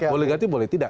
boleh ganti boleh tidak